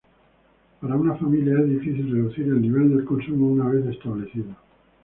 Para una familia es difícil reducir el nivel del consumo una vez establecido.